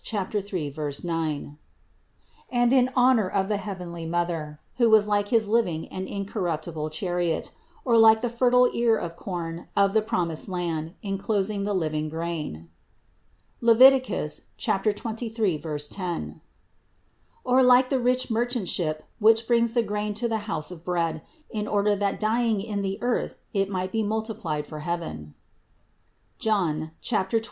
3, 9) ; and in honor of the heavenly Mother, who was like his living and incorruptible chariot, or like the fertile ear of corn of the promised land, enclosing the living grain (Lev. 23, 10) ; or like the rich merchant ship, which brings the grain to the house of bread, in order that dying in the earth it might be multiplied for heaven (John 12, 24).